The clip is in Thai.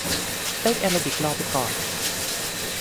เต้นแอโรบิครอไปก่อน